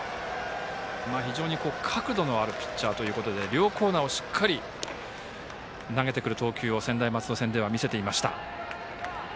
非常に角度のあるピッチャーということで両コーナーをしっかり投げてくる投球を専大松戸戦では見せていました。